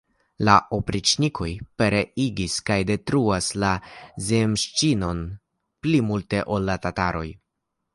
La opriĉnikoj pereigas kaj detruas la zemŝĉinon pli multe ol la tataroj.